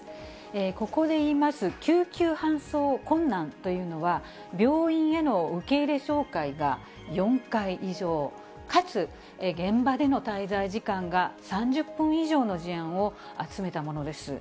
ここで言います、救急搬送困難というのは、病院への受け入れ照会が４回以上、かつ現場での滞在時間が３０分以上の事案を集めたものです。